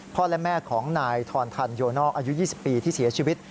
และแม่ของนายทอนทันโยนอกอายุ๒๐ปีที่เสียชีวิต